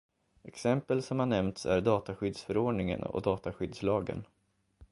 Exempel som har nämnts är dataskyddsförordningen och dataskyddslagen.